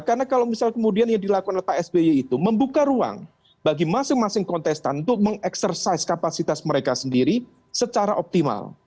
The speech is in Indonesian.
karena kalau misalnya kemudian yang dilakukan oleh pak sby itu membuka ruang bagi masing masing kontestan untuk mengeksersaiz kapasitas mereka sendiri secara optimal